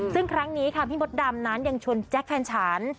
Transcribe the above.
ซึ่งครั้งนี้ค่ะพี่มดดำนั้นยังชวนแจ็คแฟนฉัน